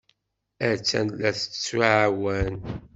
Attan la t-tettɛawan.